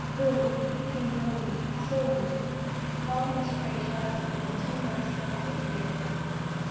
Boom! It came suddenly, sullenly. A column of spray shot up between the two mast stumps of the derelict.